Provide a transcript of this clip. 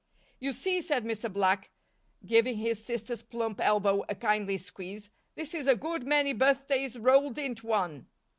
"You see," said Mr. Black, giving his sister's plump elbow a kindly squeeze, "this is a good many birthdays rolled into one."